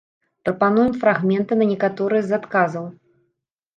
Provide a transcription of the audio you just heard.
Прапануем фрагменты на некаторыя з адказаў.